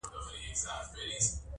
چي شهپر مي تر اسمان لاندي را خپور سي،